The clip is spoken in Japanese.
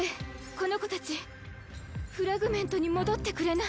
この子たちフラグメントに戻ってくれない。